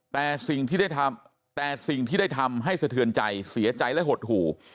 แต่สิ่งที่ได้ทำแต่สิ่งที่ได้ทำให้สะเทือนใจเสียใจและหดหู่